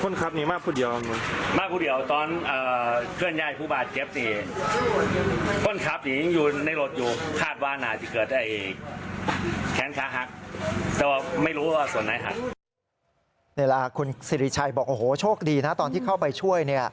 นี่แหละคุณสิริชัยบอกโอ้โหโชคดีนะตอนที่เข้าไปช่วย